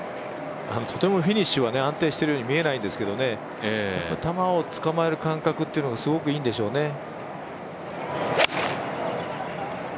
とてもフィニッシュは安定してるように見えないんですけど球をつかまえる感覚はすごくいいんでしょうね。